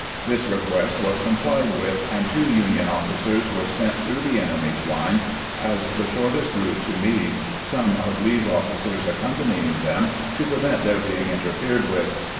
This re quest was complied with, and two Union officers were sent through the enemy's lines as the shortest route to Meade, some of Lee's officers accompanying them to prevent their being interfered with.